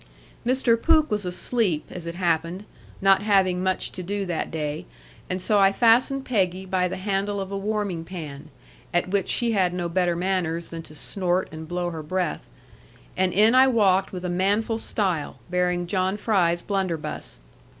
Mr. Pooke was asleep, as it happened, not having much to do that day; and so I fastened Peggy by the handle of a warming pan, at which she had no better manners than to snort and blow her breath; and in I walked with a manful style, bearing John Fry's blunderbuss.